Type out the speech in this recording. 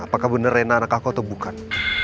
apakah benar rena anak aku atau bukan